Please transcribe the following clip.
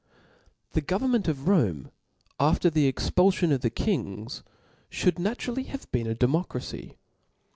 The government of Rome, after the expulfipn of the kings, (hould naturally have been a demor fracy.